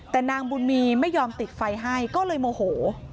แต่นางบุญมีไม่ยอมติดไฟให้ก็เลยโมโห